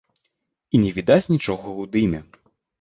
І не відаць нічога ў дыме.